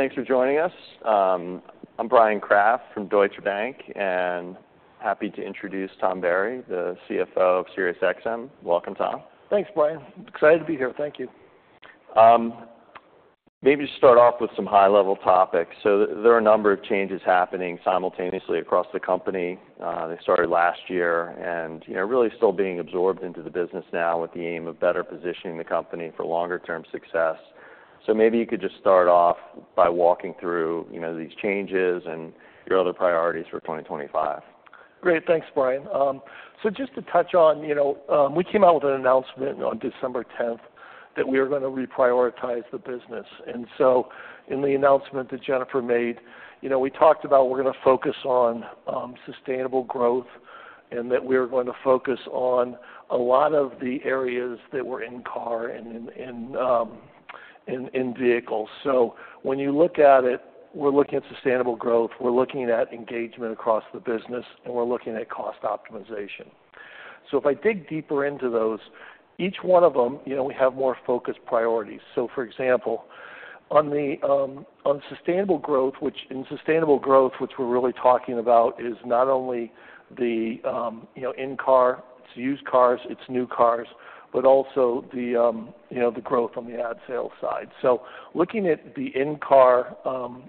Thanks for joining us. I'm Bryan Kraft from Deutsche Bank, and happy to introduce Tom Barry, the CFO of SiriusXM. Welcome, Tom. Thanks, Bryan. Excited to be here. Thank you. Maybe just start off with some high-level topics. There are a number of changes happening simultaneously across the company. They started last year and, you know, really still being absorbed into the business now with the aim of better positioning the company for longer-term success. Maybe you could just start off by walking through, you know, these changes and your other priorities for 2025? Great. Thanks, Bryan. Just to touch on, you know, we came out with an announcement on December 10th that we are gonna reprioritize the business. In the announcement that Jennifer made, you know, we talked about we're gonna focus on sustainable growth and that we are going to focus on a lot of the areas that were in car and in vehicles. When you look at it, we're looking at sustainable growth, we're looking at engagement across the business, and we're looking at cost optimization. If I dig deeper into those, each one of them, you know, we have more focused priorities. For example, on sustainable growth, which in sustainable growth, which we're really talking about is not only the, you know, in car, it's used cars, it's new cars, but also the, you know, the growth on the ad sales side. Looking at the in car,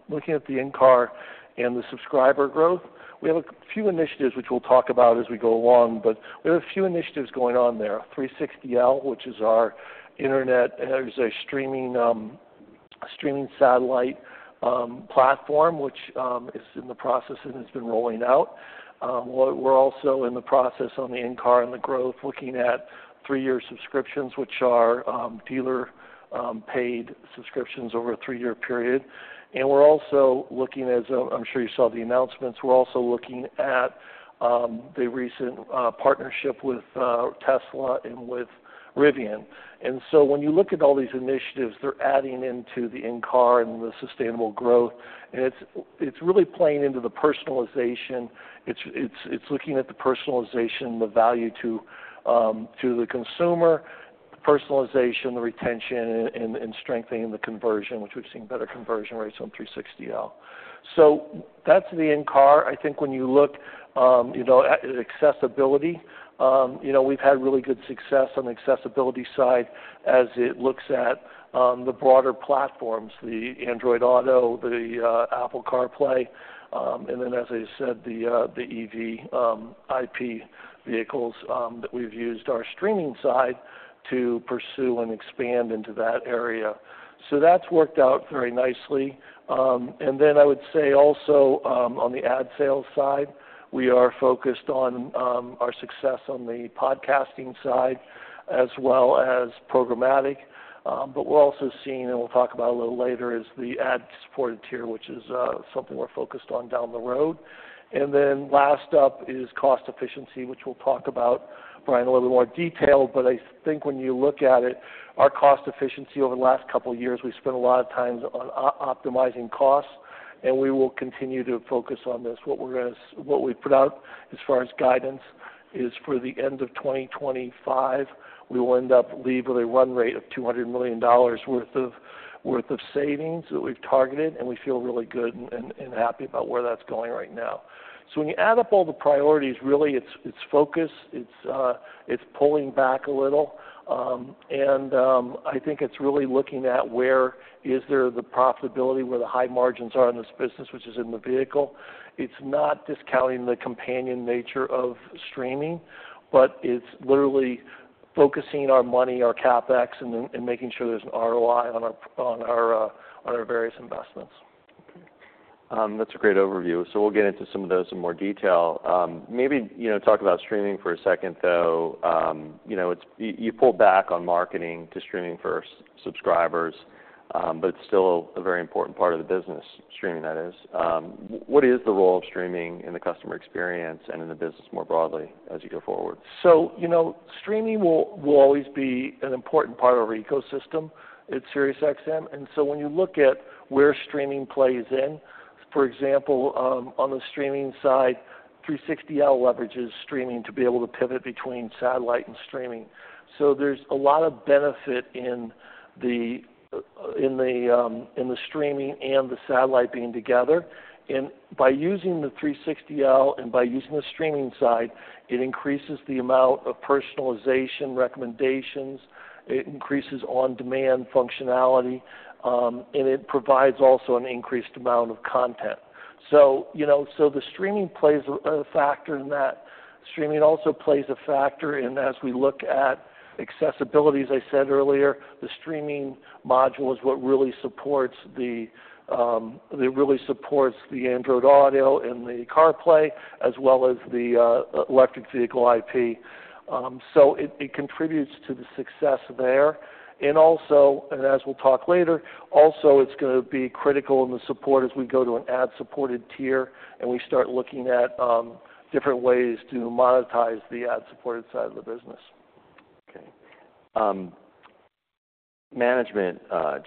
looking at the in car and the subscriber growth, we have a few initiatives which we'll talk about as we go along, but we have a few initiatives going on there. 360L, which is our internet, there's a streaming, streaming satellite, platform, which is in the process and has been rolling out. We're also in the process on the in car and the growth, looking at three-year subscriptions, which are dealer-paid subscriptions over a three-year period. We're also looking as, I'm sure you saw the announcements, we're also looking at the recent partnership with Tesla and with Rivian. When you look at all these initiatives, they're adding into the in car and the sustainable growth, and it's really playing into the personalization. It's looking at the personalization and the value to the consumer, personalization, the retention, and strengthening the conversion, which we've seen better conversion rates on 360L. That's the in car. I think when you look, you know, at accessibility, you know, we've had really good success on the accessibility side as it looks at the broader platforms, the Android Auto, the Apple CarPlay, and then, as I said, the EV, IP vehicles, that we've used our streaming side to pursue and expand into that area. That's worked out very nicely. I would say also, on the ad sales side, we are focused on our success on the podcasting side as well as programmatic. We're also seeing, and we'll talk about a little later, the ad-supported tier, which is something we're focused on down the road. Last up is cost efficiency, which we'll talk about, Bryan, in a little bit more detail. I think when you look at it, our cost efficiency over the last couple of years, we spent a lot of time on optimizing costs, and we will continue to focus on this. What we put out as far as guidance is for the end of 2025, we will end up with a run rate of $200 million worth of savings that we've targeted, and we feel really good and happy about where that's going right now. When you add up all the priorities, really, it's focus, it's pulling back a little. I think it's really looking at where is there the profitability, where the high margins are in this business, which is in the vehicle. It's not discounting the companion nature of streaming, but it's literally focusing our money, our CapEx, and making sure there's an ROI on our various investments. Okay. That's a great overview. We'll get into some of those in more detail. Maybe, you know, talk about streaming for a second though. You know, you pulled back on marketing to streaming for subscribers, but it's still a very important part of the business, streaming that is. What is the role of streaming in the customer experience and in the business more broadly as you go forward? You know, streaming will always be an important part of our ecosystem at SiriusXM. When you look at where streaming plays in, for example, on the streaming side, 360L leverages streaming to be able to pivot between satellite and streaming. There is a lot of benefit in the streaming and the satellite being together. By using the 360L and by using the streaming side, it increases the amount of personalization, recommendations, it increases on-demand functionality, and it provides also an increased amount of content. You know, streaming plays a factor in that. Streaming also plays a factor in as we look at accessibility. As I said earlier, the streaming module is what really supports the Android Auto and the Apple CarPlay as well as the electric vehicle IP. It contributes to the success there. Also, as we'll talk later, it's gonna be critical in the support as we go to an ad-supported tier and we start looking at different ways to monetize the ad-supported side of the business. Okay. Management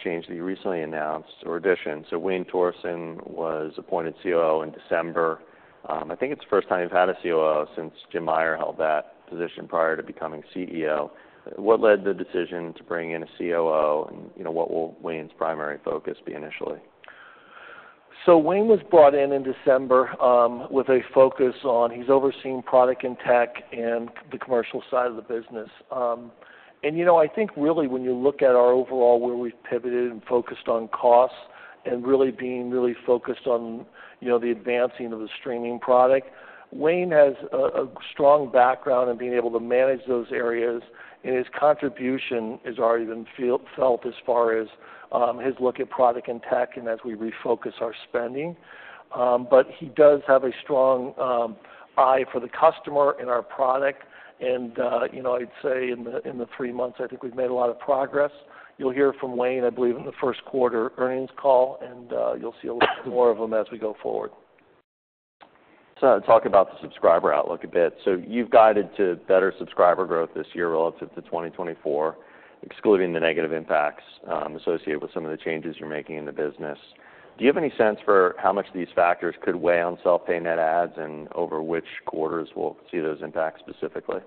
change that you recently announced or addition. Wayne Thorsen was appointed COO in December. I think it's the first time you've had a COO since Jim Meyer held that position prior to becoming CEO. What led the decision to bring in a COO, and, you know, what will Wayne's primary focus be initially? Wayne was brought in in December, with a focus on he's overseeing product and tech and the commercial side of the business. You know, I think really when you look at our overall where we've pivoted and focused on costs and really being really focused on, you know, the advancing of the streaming product, Wayne has a strong background in being able to manage those areas, and his contribution has already been felt as far as his look at product and tech and as we refocus our spending. He does have a strong eye for the customer and our product. You know, I'd say in the three months, I think we've made a lot of progress. You'll hear from Wayne, I believe, in the first quarter earnings call, and you'll see a little bit more of him as we go forward. Talk about the subscriber outlook a bit. You've guided to better subscriber growth this year relative to 2024, excluding the negative impacts associated with some of the changes you're making in the business. Do you have any sense for how much these factors could weigh on self-pay net adds and over which quarters we'll see those impacts specifically?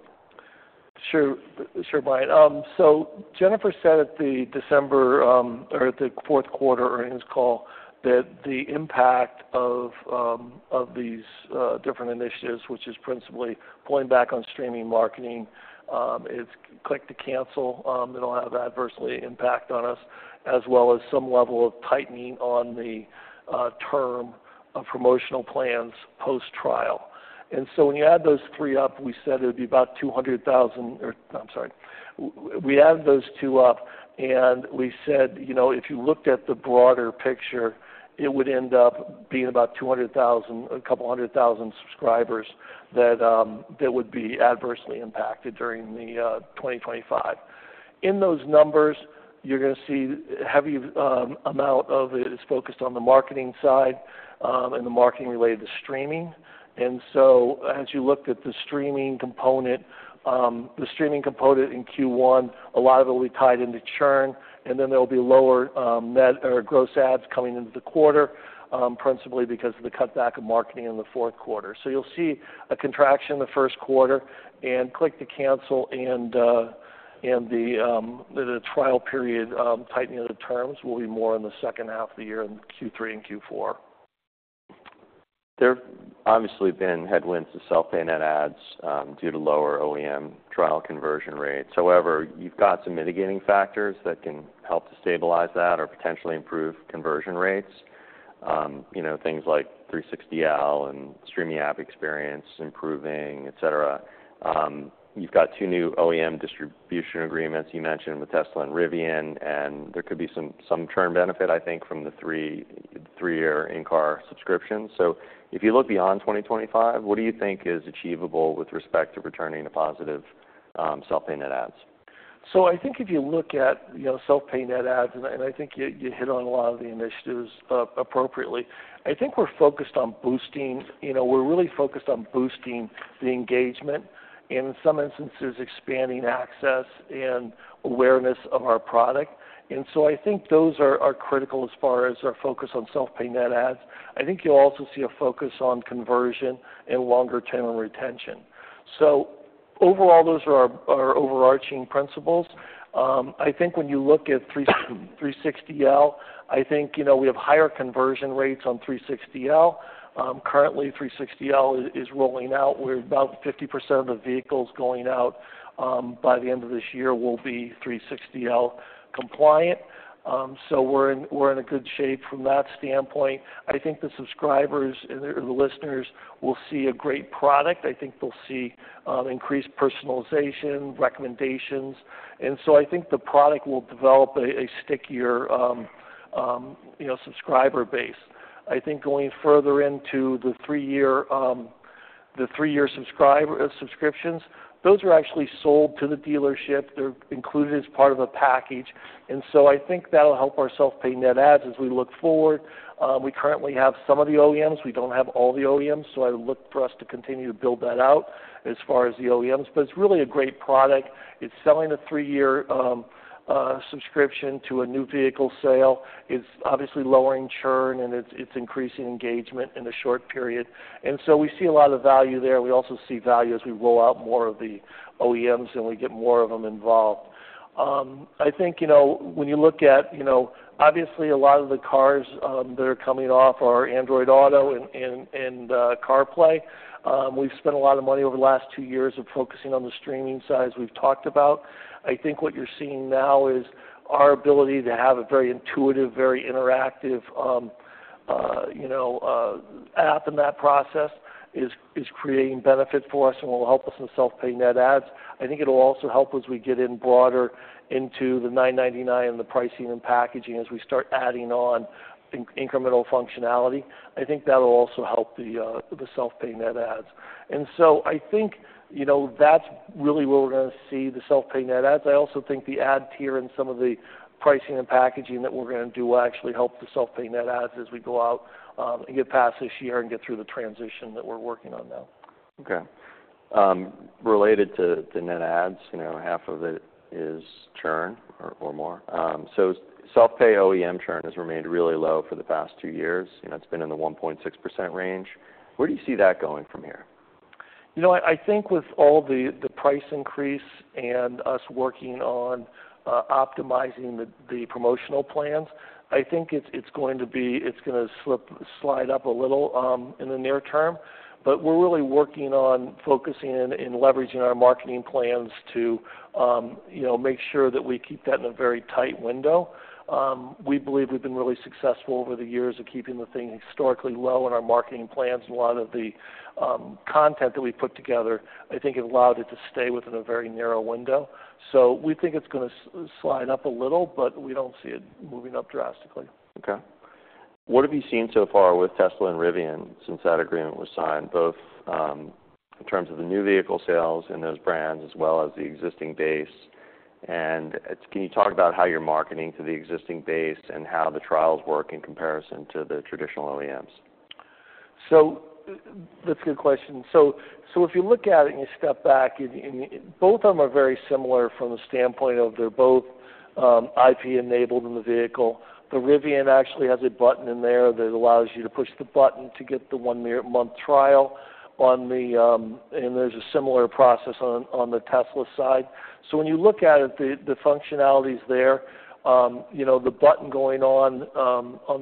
Sure, sure, Bryan. Jennifer said at the December or at the fourth quarter earnings call that the impact of these different initiatives, which is principally pulling back on streaming marketing, it's Click-to-Cancel, it'll have adversely impact on us, as well as some level of tightening on the term of promotional plans post-trial. When you add those three up, we said it would be about 200,000, or I'm sorry. We added those two up and we said, you know, if you looked at the broader picture, it would end up being about 200,000, a couple of hundred thousand subscribers that would be adversely impacted during 2025. In those numbers, you're gonna see a heavy amount of it is focused on the marketing side, and the marketing related to streaming. As you looked at the streaming component, the streaming component in Q1, a lot of it will be tied into churn, and then there will be lower net or gross adds coming into the quarter, principally because of the cutback of marketing in the fourth quarter. You will see a contraction in the first quarter, and click to cancel and the trial period, tightening of the terms will be more in the second half of the year in Q3 and Q4. There've obviously been headwinds to self-pay net adds, due to lower OEM trial conversion rates. However, you've got some mitigating factors that can help to stabilize that or potentially improve conversion rates. You know, things like 360L and streaming app experience improving, etc. You've got two new OEM distribution agreements you mentioned with Tesla and Rivian, and there could be some churn benefit, I think, from the three, three-year in-car subscriptions. If you look beyond 2025, what do you think is achievable with respect to returning a positive, self-pay net adds? I think if you look at, you know, self-pay net adds, and I think you hit on a lot of the initiatives appropriately. I think we're focused on boosting, you know, we're really focused on boosting the engagement and in some instances expanding access and awareness of our product. I think those are critical as far as our focus on self-pay net adds. I think you'll also see a focus on conversion and longer-term retention. Overall, those are our overarching principles. I think when you look at 360L, I think, you know, we have higher conversion rates on 360L. Currently, 360L is rolling out. We're about 50% of the vehicles going out, by the end of this year will be 360L compliant. We are in good shape from that standpoint. I think the subscribers and the listeners will see a great product. I think they'll see increased personalization, recommendations. I think the product will develop a, a stickier, you know, subscriber base. I think going further into the three-year, the three-year subscriber, subscriptions, those are actually sold to the dealership. They're included as part of a package. I think that'll help our self-pay net ads as we look forward. We currently have some of the OEMs. We don't have all the OEMs, so I would look for us to continue to build that out as far as the OEMs. It's really a great product. It's selling a three-year subscription to a new vehicle sale. It's obviously lowering churn and it's increasing engagement in a short period. We see a lot of value there. We also see value as we roll out more of the OEMs and we get more of them involved. I think, you know, when you look at, you know, obviously a lot of the cars that are coming off are Android Auto and CarPlay. We've spent a lot of money over the last two years focusing on the streaming side as we've talked about. I think what you're seeing now is our ability to have a very intuitive, very interactive, you know, app in that process is creating benefit for us and will help us in self-pay net adds. I think it'll also help as we get in broader into the $9.99 and the pricing and packaging as we start adding on incremental functionality. I think that'll also help the self-pay net adds. I think, you know, that's really where we're gonna see the self-pay net ads. I also think the ad tier and some of the pricing and packaging that we're gonna do will actually help the self-pay net ads as we go out, and get past this year and get through the transition that we're working on now. Okay. Related to, to net adds, you know, half of it is churn or more. So self-pay OEM churn has remained really low for the past two years. You know, it's been in the 1.6% range. Where do you see that going from here? You know, I think with all the price increase and us working on optimizing the promotional plans, I think it's going to slip, slide up a little in the near term. We are really working on focusing in, in leveraging our marketing plans to, you know, make sure that we keep that in a very tight window. We believe we've been really successful over the years of keeping the thing historically low in our marketing plans. And a lot of the content that we've put together, I think it allowed it to stay within a very narrow window. We think it's gonna slide up a little, but we don't see it moving up drastically. Okay. What have you seen so far with Tesla and Rivian since that agreement was signed, both in terms of the new vehicle sales in those brands as well as the existing base? Can you talk about how you're marketing to the existing base and how the trials work in comparison to the traditional OEMs? That's a good question. If you look at it and you step back, both of them are very similar from the standpoint of they're both IP-enabled in the vehicle. The Rivian actually has a button in there that allows you to push the button to get the one-month trial, and there's a similar process on the Tesla side. When you look at it, the functionality's there. You know, the button going on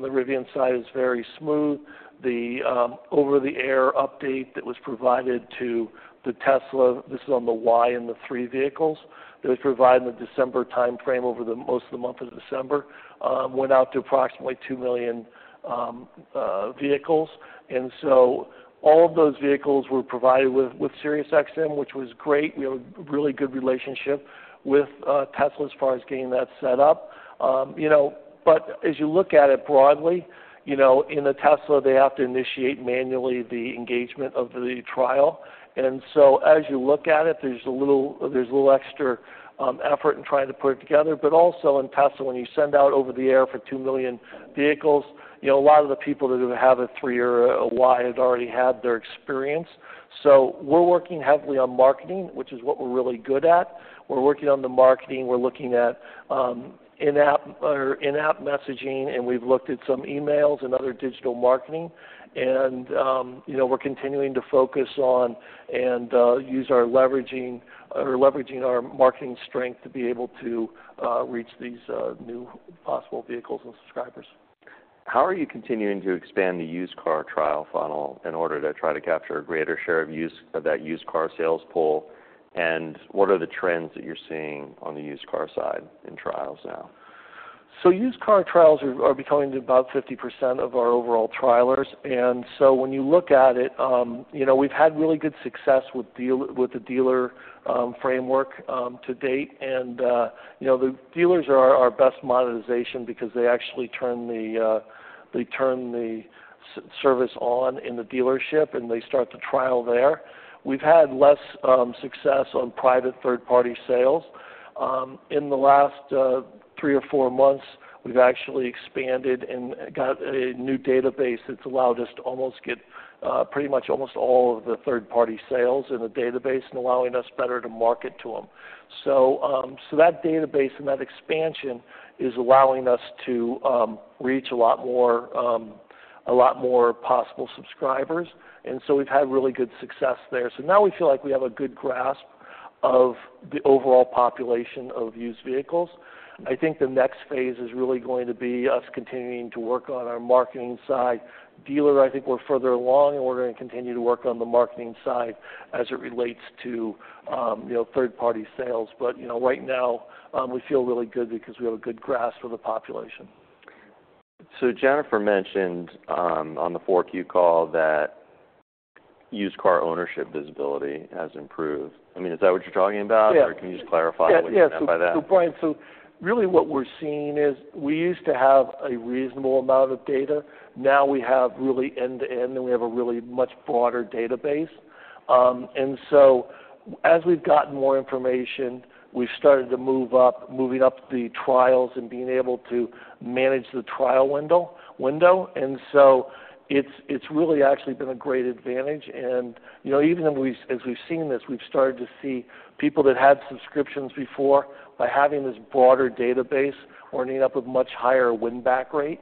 the Rivian side is very smooth. The over-the-air update that was provided to the Tesla, this is on the Y and the 3 vehicles, was provided in the December timeframe over most of the month of December, went out to approximately 2 million vehicles. All of those vehicles were provided with SiriusXM, which was great. We have a really good relationship with Tesla as far as getting that set up. You know, as you look at it broadly, in the Tesla, they have to initiate manually the engagement of the trial. As you look at it, there's a little extra effort in trying to put it together. Also, in Tesla, when you send out over-the-air for 2 million vehicles, a lot of the people who have a 3 or a Y have already had their experience. We are working heavily on marketing, which is what we're really good at. We're working on the marketing. We're looking at in-app or in-app messaging, and we've looked at some emails and other digital marketing. You know, we're continuing to focus on and use our leveraging or leveraging our marketing strength to be able to reach these new possible vehicles and subscribers. How are you continuing to expand the used car trial funnel in order to try to capture a greater share of that used car sales pool? What are the trends that you're seeing on the used car side in trials now? Used car trials are becoming about 50% of our overall trialers. When you look at it, you know, we've had really good success with the dealer framework to date. You know, the dealers are our best monetization because they actually turn the service on in the dealership, and they start the trial there. We've had less success on private third-party sales. In the last three or four months, we've actually expanded and got a new database that's allowed us to almost get pretty much almost all of the third-party sales in the database, and allowing us better to market to them. That database and that expansion is allowing us to reach a lot more, a lot more possible subscribers. We've had really good success there. Now we feel like we have a good grasp of the overall population of used vehicles. I think the next phase is really going to be us continuing to work on our marketing side. Dealer, I think we're further along and we're gonna continue to work on the marketing side as it relates to, you know, third-party sales. You know, right now, we feel really good because we have a good grasp of the population. Jennifer mentioned, on the 4Q call that used car ownership visibility has improved. I mean, is that what you're talking about? Yeah. Can you just clarify what you meant by that? Yeah, yeah. Bryan, what we're seeing is that we used to have a reasonable amount of data. Now we have really end-to-end, and we have a really much broader database. As we've gotten more information, we've started to move up, moving up the trials and being able to manage the trial window. It's really actually been a great advantage. You know, even though as we've seen this, we've started to see people that had subscriptions before by having this broader database are ending up with much higher win-back rate.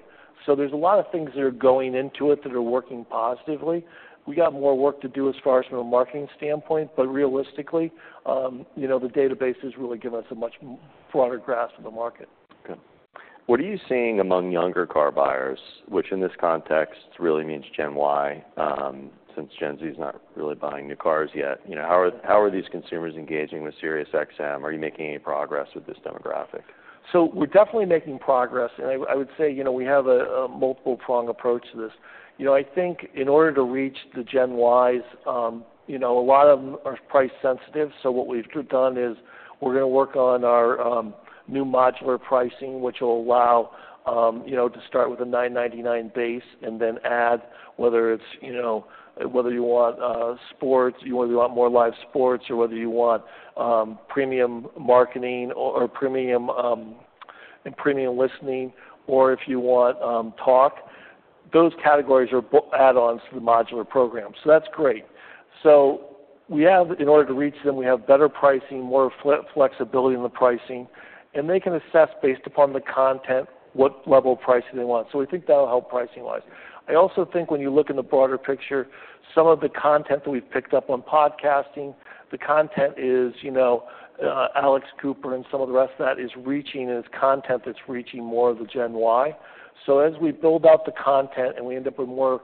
There are a lot of things that are going into it that are working positively. We got more work to do as far as from a marketing standpoint. Realistically, the database has really given us a much broader grasp of the market. Okay. What are you seeing among younger car buyers, which in this context really means Gen Y, since Gen Z is not really buying new cars yet? You know, how are, how are these consumers engaging with SiriusXM? Are you making any progress with this demographic? We're definitely making progress. I would say, you know, we have a multiple-prong approach to this. You know, I think in order to reach the Gen Y's, you know, a lot of them are price-sensitive. What we've done is we're gonna work on our new modular pricing, which will allow, you know, to start with a $9.99 base and then add whether it's, you know, whether you want sports, you know, you want more live sports, or whether you want premium marketing or, or premium, and premium listening, or if you want talk. Those categories are add-ons to the modular program. That's great. We have, in order to reach them, better pricing, more flexibility in the pricing, and they can assess based upon the content what level of pricing they want. We think that'll help pricing-wise. I also think when you look in the broader picture, some of the content that we've picked up on podcasting, the content is, you know, Alex Cooper and some of the rest of that is reaching, and it's content that's reaching more of the Gen Y. As we build out the content and we end up with more,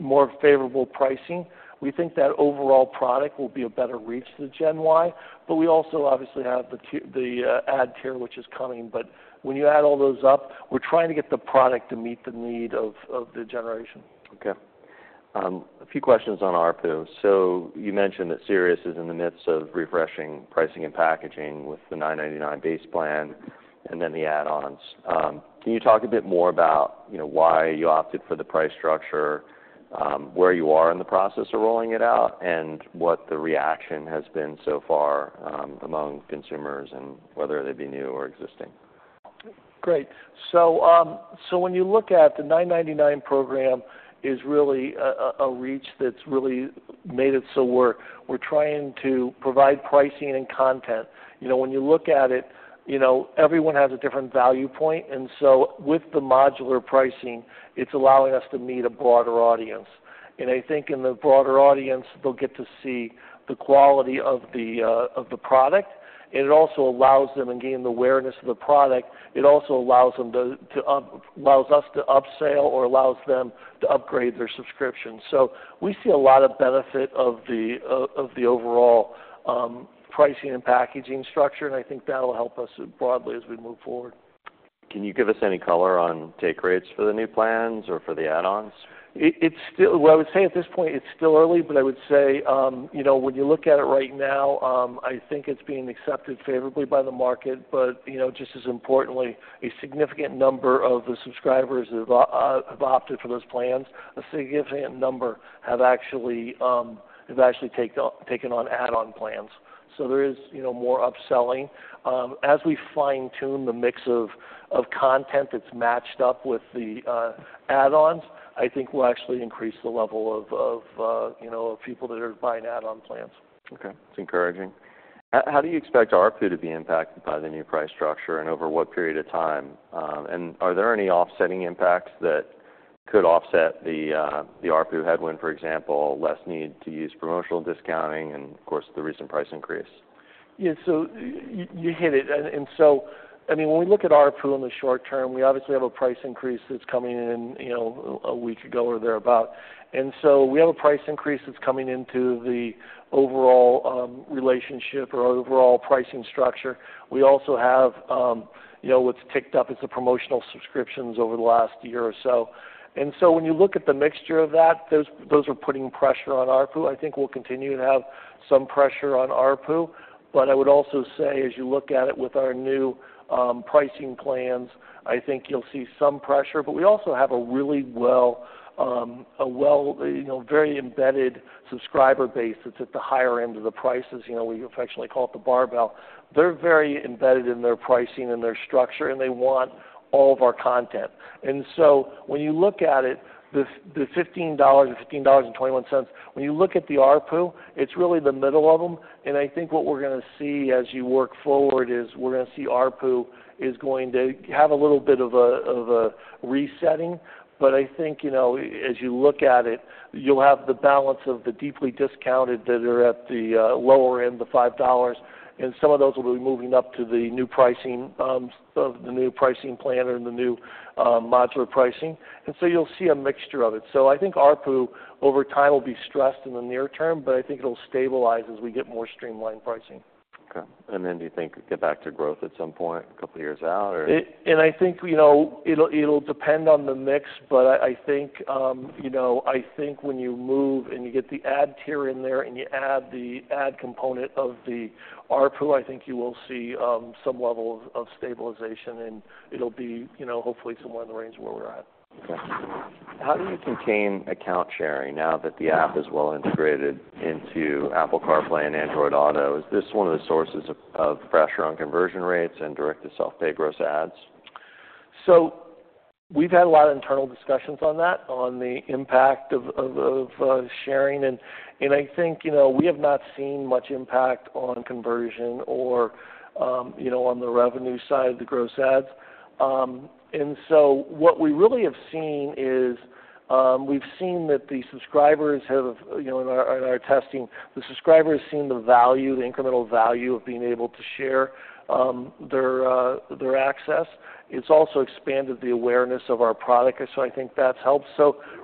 more favorable pricing, we think that overall product will be a better reach to the Gen Y. We also obviously have the ad tier, which is coming. When you add all those up, we're trying to get the product to meet the needs of the generation. Okay. A few questions on ARPU. You mentioned that Sirius is in the midst of refreshing pricing and packaging with the $9.99 base plan and then the add-ons. Can you talk a bit more about, you know, why you opted for the price structure, where you are in the process of rolling it out, and what the reaction has been so far, among consumers and whether they be new or existing? Great. When you look at the $9.99 program, it's really a reach that's really made it so we're trying to provide pricing and content. You know, when you look at it, everyone has a different value point. With the modular pricing, it's allowing us to meet a broader audience. I think in the broader audience, they'll get to see the quality of the product. It also allows them to gain awareness of the product. It also allows us to upsell or allows them to upgrade their subscription. We see a lot of benefit of the overall pricing and packaging structure. I think that'll help us broadly as we move forward. Can you give us any color on take rates for the new plans or for the add-ons? It's still, I would say at this point, it's still early, but I would say, you know, when you look at it right now, I think it's being accepted favorably by the market. You know, just as importantly, a significant number of the subscribers that have opted for those plans, a significant number have actually taken on add-on plans. There is, you know, more upselling. As we fine-tune the mix of content that's matched up with the add-ons, I think we'll actually increase the level of, you know, people that are buying add-on plans. Okay. That's encouraging. How do you expect ARPU to be impacted by the new price structure and over what period of time? Are there any offsetting impacts that could offset the ARPU headwind, for example, less need to use promotional discounting and, of course, the recent price increase? Yeah. You hit it. I mean, when we look at ARPU in the short term, we obviously have a price increase that's coming in, you know, a week ago or thereabout. We have a price increase that's coming into the overall relationship or overall pricing structure. We also have, you know, what's ticked up is the promotional subscriptions over the last year or so. When you look at the mixture of that, those are putting pressure on ARPU. I think we'll continue to have some pressure on ARPU. I would also say, as you look at it with our new pricing plans, I think you'll see some pressure. We also have a really well, a well, you know, very embedded subscriber base that's at the higher end of the prices. You know, we affectionately call it the barbell. They're very embedded in their pricing and their structure, and they want all of our content. When you look at it, the $15, $15.21, when you look at the ARPU, it's really the middle of them. I think what we're gonna see as you work forward is we're gonna see ARPU is going to have a little bit of a resetting. I think, you know, as you look at it, you'll have the balance of the deeply discounted that are at the lower end, the $5. Some of those will be moving up to the new pricing, of the new pricing plan or the new modular pricing. You'll see a mixture of it. I think ARPU over time will be stressed in the near term, but I think it'll stabilize as we get more streamlined pricing. Okay. Do you think get back to growth at some point, a couple of years out, or? I think, you know, it'll depend on the mix. I think, you know, I think when you move and you get the ad tier in there and you add the ad component of the ARPU, I think you will see some level of stabilization, and it'll be, you know, hopefully somewhere in the range where we're at. Okay. How do you contain account sharing now that the app is well integrated into Apple CarPlay and Android Auto? Is this one of the sources of pressure on conversion rates and direct-to-self pay gross ads? We've had a lot of internal discussions on that, on the impact of sharing. I think, you know, we have not seen much impact on conversion or, you know, on the revenue side of the gross ads. What we really have seen is, we've seen that the subscribers have, you know, in our testing, the subscribers have seen the value, the incremental value of being able to share their access. It's also expanded the awareness of our product. I think that's helped.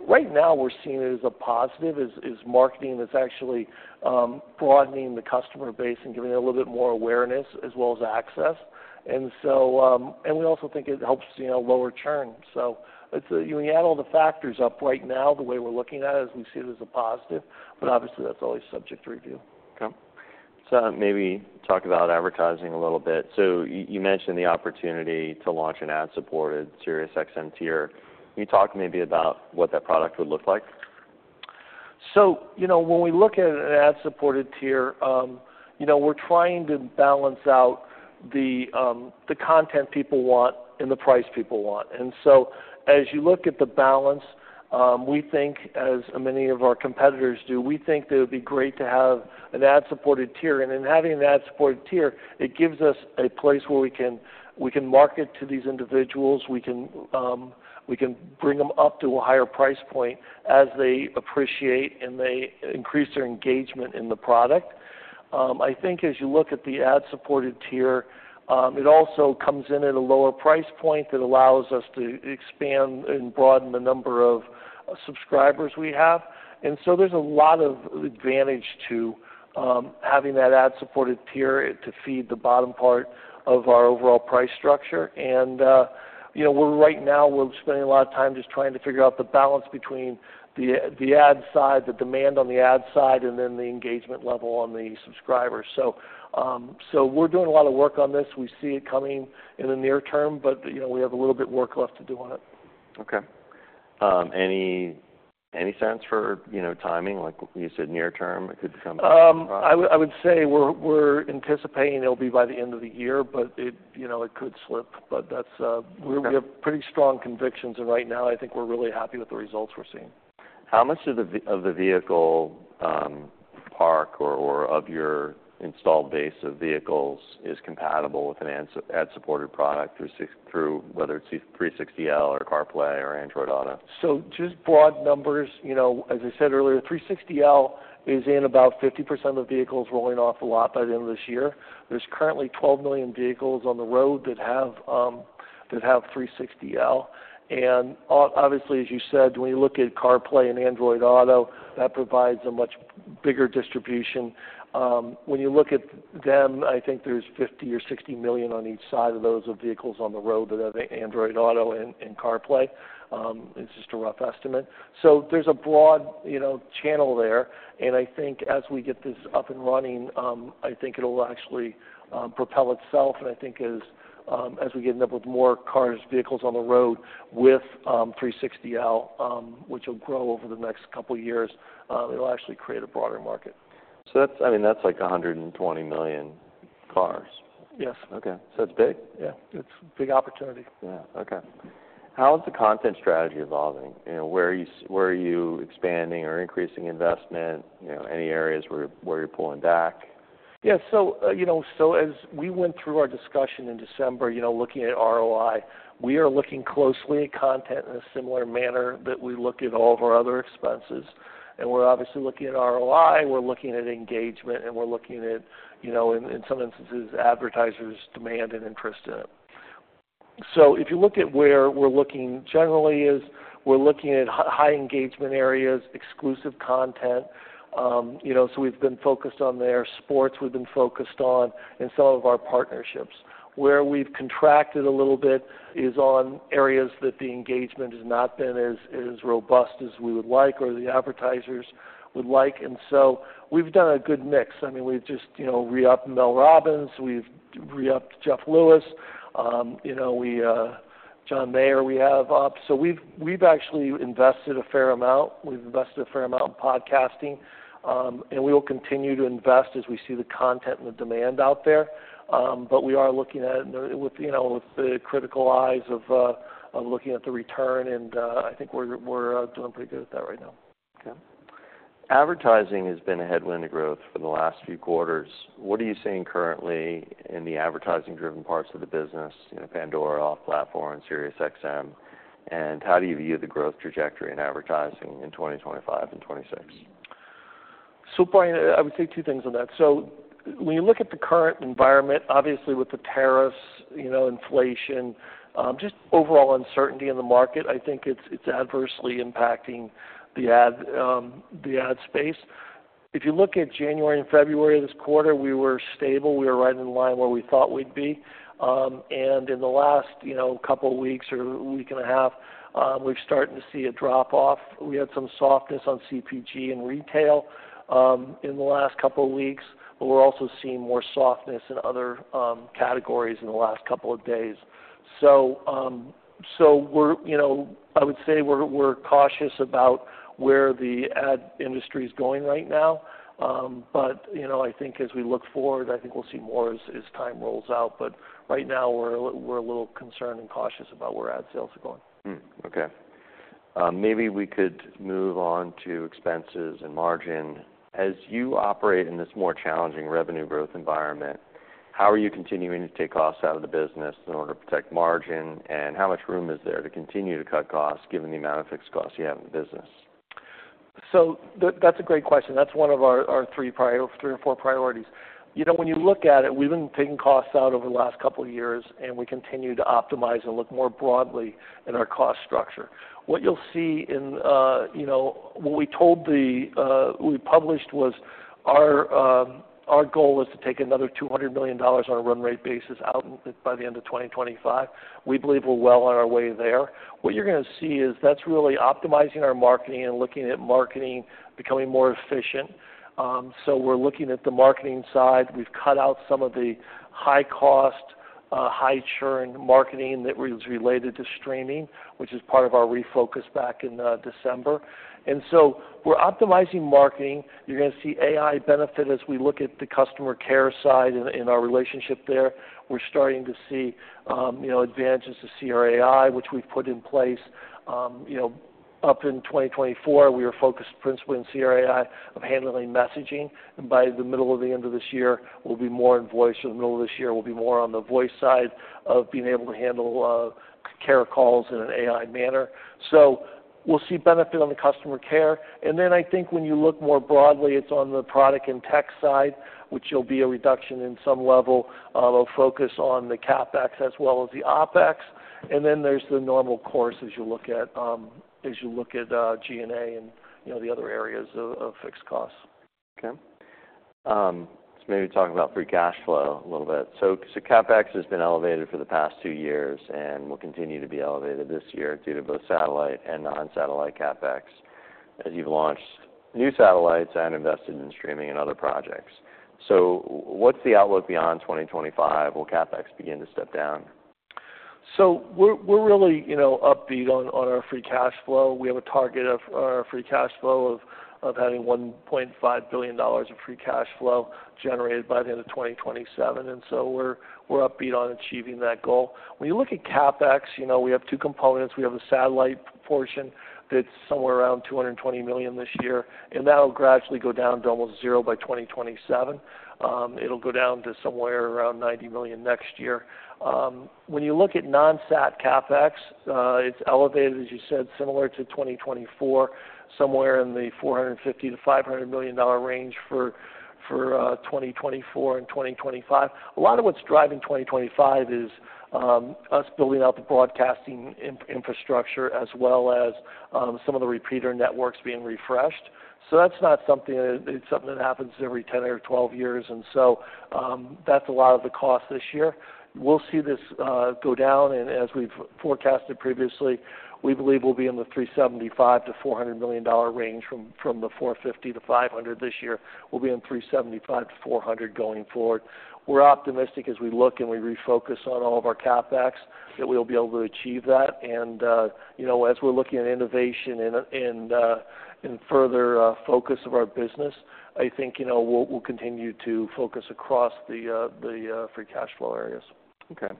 Right now, we're seeing it as a positive, as marketing that's actually broadening the customer base and giving it a little bit more awareness as well as access. We also think it helps, you know, lower churn. You add all the factors up right now, the way we're looking at it, as we see it as a positive. Obviously, that's always subject to review. Okay. Maybe talk about advertising a little bit. You mentioned the opportunity to launch an ad-supported SiriusXM tier. Can you talk maybe about what that product would look like? You know, when we look at an ad-supported tier, you know, we're trying to balance out the content people want and the price people want. As you look at the balance, we think, as many of our competitors do, we think that it would be great to have an ad-supported tier. In having an ad-supported tier, it gives us a place where we can market to these individuals. We can bring them up to a higher price point as they appreciate and they increase their engagement in the product. I think as you look at the ad-supported tier, it also comes in at a lower price point that allows us to expand and broaden the number of subscribers we have. There is a lot of advantage to having that ad-supported tier to feed the bottom part of our overall price structure. You know, right now, we're spending a lot of time just trying to figure out the balance between the ad side, the demand on the ad side, and then the engagement level on the subscribers. We're doing a lot of work on this. We see it coming in the near term, but, you know, we have a little bit of work left to do on it. Okay. Any, any sense for, you know, timing? Like you said, near term, it could become a big problem. I would say we're anticipating it'll be by the end of the year, but it could slip. That's, we have pretty strong convictions. Right now, I think we're really happy with the results we're seeing. How much of the vehicle park or of your installed base of vehicles is compatible with an ad-supported product through SiriusXM, whether it's 360L or CarPlay or Android Auto? Just broad numbers, you know, as I said earlier, 360L is in about 50% of vehicles rolling off a lot by the end of this year. There's currently 12 million vehicles on the road that have, that have 360L. Obviously, as you said, when you look at CarPlay and Android Auto, that provides a much bigger distribution. When you look at them, I think there's 50 or 60 million on each side of those vehicles on the road that have Android Auto and CarPlay. It's just a rough estimate. There's a broad, you know, channel there. I think as we get this up and running, I think it'll actually propel itself. I think as we get in with more cars, vehicles on the road with 360L, which will grow over the next couple of years, it'll actually create a broader market. That's, I mean, that's like 120 million cars. Yes. Okay. It's big. Yeah. It's a big opportunity. Yeah. Okay. How is the content strategy evolving? You know, where are you, where are you expanding or increasing investment? You know, any areas where you're pulling back? Yeah. So, you know, as we went through our discussion in December, you know, looking at ROI, we are looking closely at content in a similar manner that we look at all of our other expenses. We're obviously looking at ROI. We're looking at engagement, and we're looking at, you know, in some instances, advertisers' demand and interest in it. If you look at where we're looking generally, we are looking at high engagement areas, exclusive content. You know, we've been focused on their sports. We've been focused on some of our partnerships. Where we've contracted a little bit is on areas that the engagement has not been as robust as we would like or the advertisers would like. We've done a good mix. I mean, we've just, you know, re-upped Mel Robbins. We've re-upped Jeff Lewis. You know, we, John Mayer, we have up. We've actually invested a fair amount. We've invested a fair amount in podcasting, and we will continue to invest as we see the content and the demand out there. We are looking at it with, you know, with the critical eyes of looking at the return. I think we're doing pretty good with that right now. Okay. Advertising has been a headwind to growth for the last few quarters. What are you seeing currently in the advertising-driven parts of the business, you know, Pandora, Off Platform, SiriusXM? How do you view the growth trajectory in advertising in 2025 and 2026? Bryan, I would say two things on that. When you look at the current environment, obviously with the tariffs, you know, inflation, just overall uncertainty in the market, I think it's adversely impacting the ad, the ad space. If you look at January and February of this quarter, we were stable. We were right in line where we thought we'd be. In the last, you know, couple of weeks or a week and a half, we're starting to see a drop-off. We had some softness on CPG and retail in the last couple of weeks. We're also seeing more softness in other categories in the last couple of days. We're, you know, I would say we're cautious about where the ad industry is going right now. But, you know, I think as we look forward, I think we'll see more as time rolls out. Right now, we're a little concerned and cautious about where ad sales are going. Okay. Maybe we could move on to expenses and margin. As you operate in this more challenging revenue growth environment, how are you continuing to take costs out of the business in order to protect margin? How much room is there to continue to cut costs, given the amount of fixed costs you have in the business? That's a great question. That's one of our three or four priorities. You know, when you look at it, we've been taking costs out over the last couple of years, and we continue to optimize and look more broadly at our cost structure. What you'll see in, you know, what we told the, we published was our goal is to take another $200 million on a run rate basis out by the end of 2025. We believe we're well on our way there. What you're gonna see is that's really optimizing our marketing and looking at marketing becoming more efficient. So we're looking at the marketing side. We've cut out some of the high-cost, high-churn marketing that was related to streaming, which is part of our refocus back in December. And so we're optimizing marketing. You're gonna see AI benefit as we look at the customer care side in, in our relationship there. We're starting to see, you know, advantages to CRAI, which we've put in place. You know, up in 2024, we were focused principally in CRAI of handling messaging. By the middle of the end of this year, we'll be more in voice. In the middle of this year, we'll be more on the voice side of being able to handle care calls in an AI manner. We'll see benefit on the customer care. I think when you look more broadly, it's on the product and tech side, which will be a reduction in some level of a focus on the CapEx as well as the OpEx. There is the normal course as you look at, as you look at, G&A and, you know, the other areas of, of fixed costs. Okay. Maybe talk about free cash flow a little bit. CapEx has been elevated for the past two years and will continue to be elevated this year due to both satellite and non-satellite CapEx as you've launched new satellites and invested in streaming and other projects. What's the outlook beyond 2025? Will CapEx begin to step down? We're really, you know, upbeat on our free cash flow. We have a target of our free cash flow of having $1.5 billion of free cash flow generated by the end of 2027. We're upbeat on achieving that goal. When you look at CapEx, you know, we have two components. We have a satellite portion that's somewhere around $220 million this year, and that'll gradually go down to almost zero by 2027. It'll go down to somewhere around $90 million next year. When you look at non-satellite CapEx, it's elevated, as you said, similar to 2024, somewhere in the $450-$500 million range for 2024 and 2025. A lot of what's driving 2025 is us building out the broadcasting infrastructure, as well as some of the repeater networks being refreshed. That's not something that happens every 10 or 12 years. That's a lot of the cost this year. We'll see this go down. As we've forecasted previously, we believe we'll be in the $375-$400 million range from the $450-$500 million this year. We'll be in $375-$400 million going forward. We're optimistic as we look, and we refocus on all of our CapEx that we'll be able to achieve that. You know, as we're looking at innovation and further focus of our business, I think, you know, we'll continue to focus across the free cash flow areas. Okay.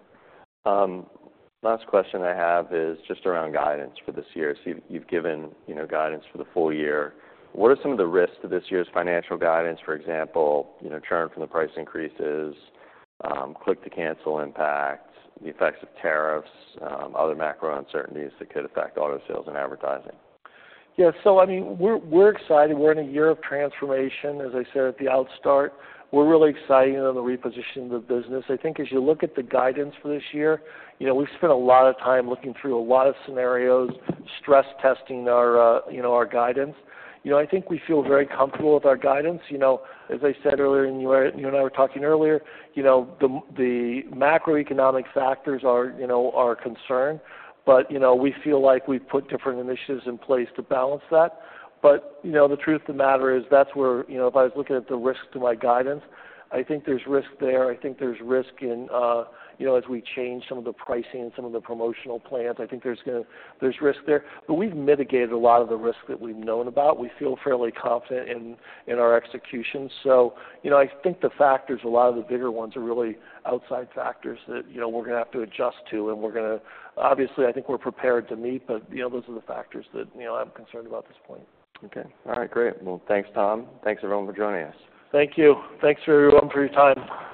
Last question I have is just around guidance for this year. You have given, you know, guidance for the full-year. What are some of the risks to this year's financial guidance? For example, you know, churn from the price increases, click-to-cancel impacts, the effects of tariffs, other macro uncertainties that could affect auto sales and advertising. Yeah. I mean, we're excited. We're in a year of transformation. As I said at the outstart, we're really excited on the repositioning of the business. I think as you look at the guidance for this year, you know, we've spent a lot of time looking through a lot of scenarios, stress testing our, you know, our guidance. I think we feel very comfortable with our guidance. You know, as I said earlier, and you and I were talking earlier, you know, the macroeconomic factors are, you know, are a concern. You know, we feel like we've put different initiatives in place to balance that. You know, the truth of the matter is that's where, you know, if I was looking at the risks to my guidance, I think there's risk there. I think there's risk in, you know, as we change some of the pricing and some of the promotional plans, I think there's gonna be risk there. But we've mitigated a lot of the risks that we've known about. We feel fairly confident in, in our execution. You know, I think the factors, a lot of the bigger ones are really outside factors that, you know, we're gonna have to adjust to. We're gonna, obviously, I think we're prepared to meet. You know, those are the factors that, you know, I'm concerned about at this point. Okay. All right. Great. Thanks, Tom. Thanks, everyone, for joining us. Thank you. Thanks, everyone, for your time.